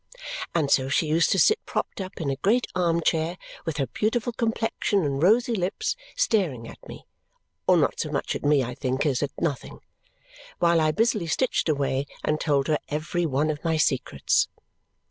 And so she used to sit propped up in a great arm chair, with her beautiful complexion and rosy lips, staring at me or not so much at me, I think, as at nothing while I busily stitched away and told her every one of my secrets.